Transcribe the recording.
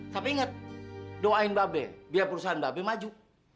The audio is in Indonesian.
tapi inget doain bebe biar perusahaan bebe maju